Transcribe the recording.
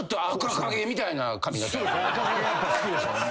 赤影やっぱ好きですもんね。